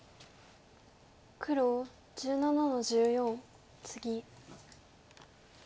黒１７の十四ツギ。